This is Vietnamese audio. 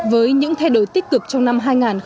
với những thay đổi tích cực trong năm hai nghìn một mươi tám